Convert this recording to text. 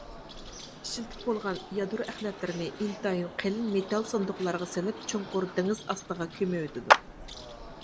ئىشلىتىپ بولغان يادرو ئەخلەتلىرىنى ئىنتايىن قېلىن مېتال ساندۇقلارغا سېلىپ چوڭقۇر دېڭىز ئاستىغا كۆمۈۋېتىدۇ.